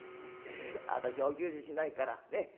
私はお給仕しないからねっ？